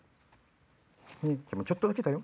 ちょっとだけだよ。